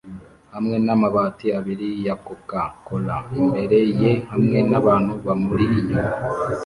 hamwe n'amabati abiri ya coca cola imbere ye hamwe n'abantu bamuri inyuma